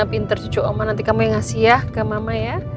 pinter cucu oma nanti kamu yang ngasih ya ke mama ya